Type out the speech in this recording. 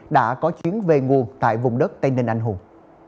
đã có chuyến về nguồn tại vùng đất tây ninh anh hùng